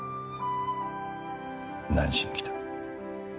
何しに来た？